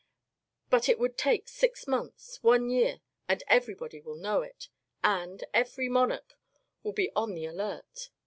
But it would take six months, one year. And everybody will know it. And every (monarch) will be on the alert.